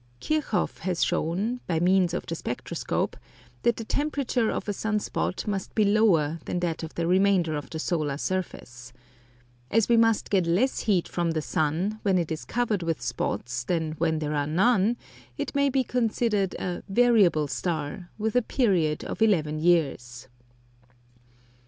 Kirchhoff has shown, by means of the spectroscope, that the temperature of a sun spot must be lower than that of the remainder of the solar surface. As we must get less heat from the sun when it is covered with spots than when there are none, it may be considered a variable star, with a period of eleven years.